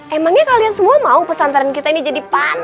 emangnya kalian semua mau pesantren kita ini jadi panas